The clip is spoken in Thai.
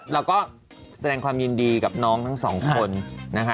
เราก็แสดงความยินดีกับน้องทั้งสองคนนะคะ